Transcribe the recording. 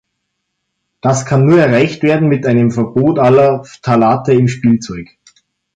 Das kann nur erreicht werden mit einem Verbot aller Phthalate in Spielzeug.